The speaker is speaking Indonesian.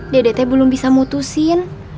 dedete belum bisa mutusin